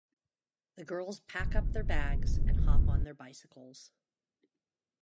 The girls pack up their bags and hop on their bicycles.